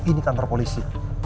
ini kantor polisi